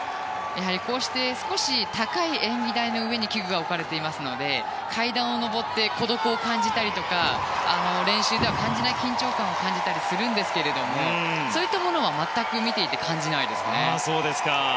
こうして少し高い演技台の上に器具が置かれていますので階段を上って孤独を感じたりとか練習では感じない緊張感を感じたりするんですがそういうところは全く見ていて感じないですね。